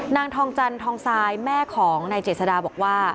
นางทองจันทองทรายแม่ของนายเจษดาบอกว่า